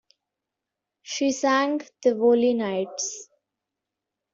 She sang "Tivoli Nights".